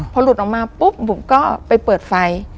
พอหลุดออกมาปุ๊บบุ๋มก็ไปเปิดไฟ